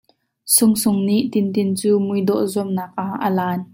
Sungsung nih Tintin cu muidawh zuamnak ah a laan.